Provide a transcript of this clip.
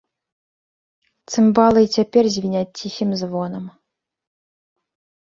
Цымбалы і цяпер звіняць ціхім звонам.